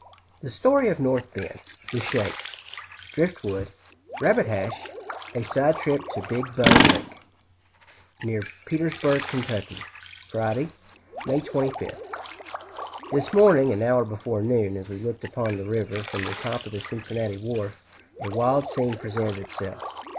The story of North Bend The "shakes" Driftwood Rabbit Hash A side trip To Big Bone Lick. Near Petersburg, Ky., Friday, May 25th. This morning, an hour before noon, as we looked upon the river from the top of the Cincinnati wharf, a wild scene presented itself.